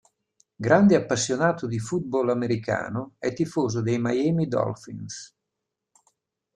Grande appassionato di football americano, è tifoso dei Miami Dolphins.